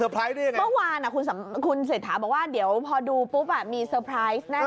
เมื่อวานคุณเศรษฐาบอกว่าเดี๋ยวพอดูปุ๊บมีเซอร์ไพรส์แน่